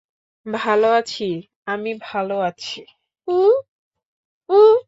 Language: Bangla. ভালো আছি, আমি ভালো আছি।